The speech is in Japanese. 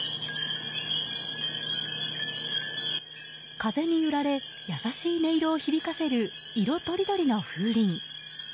風に揺られ優しい音色を響かせる色とりどりの風鈴。